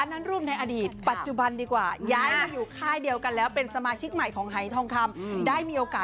อันนั้นรูปในอดีตปัจจุบันดีกว่าย้ายมาอยู่ค่ายเดียวกันแล้วเป็นสมาชิกใหม่ของไฮทองคำ